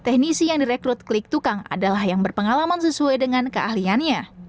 teknisi yang direkrut klik tukang adalah yang berpengalaman sesuai dengan keahliannya